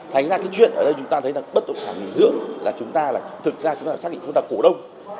thành ra cái chuyện ở đây chúng ta thấy là bất động sản nghỉ dưỡng là chúng ta là thực ra chúng ta xác định chúng ta cổ đông